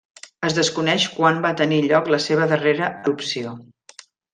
Es desconeix quan va tenir lloc la seva darrera erupció.